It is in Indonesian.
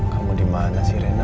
kamu dimana sih rena